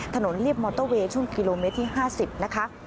ถนนลีบมอเตอร์เวย์ช่วง๕๐กิโลเมตร